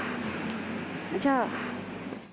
じゃあ。